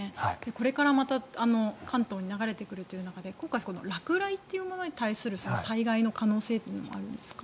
これからまた関東に流れてくるという中で今回、落雷というものに対する災害の可能性というのはあるんですか。